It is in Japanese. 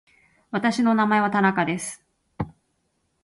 私の名前は田中です。